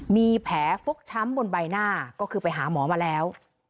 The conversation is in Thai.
มีแผลฟกช้ำบนใบหน้าก็คือไปหาหมอมาแล้ว